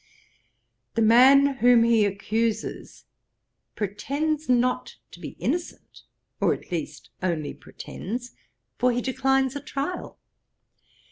The man whom he accuses pretends not to be innocent; or at least only pretends; for he declines a trial.